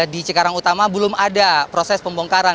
di cikarang utama belum ada proses pembongkaran